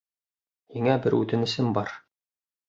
Һиңә бер үтенесем бар.